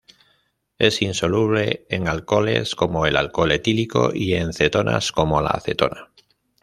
Es insoluble en alcoholes como el alcohol etílico y en cetonas como la acetona.